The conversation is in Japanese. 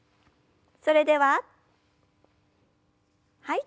それでははい。